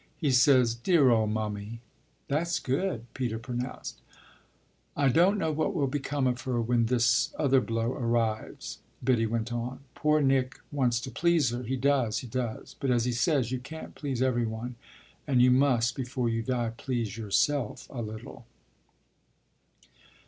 "He says, 'Dear old mummy!'" "That's good," Peter pronounced. "I don't know what will become of her when this other blow arrives," Biddy went on. "Poor Nick wants to please her he does, he does. But, as he says, you can't please every one and you must before you die please yourself a little."